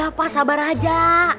iya pak sabar aja